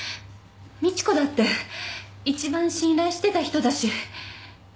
美知子だって一番信頼してた人だし。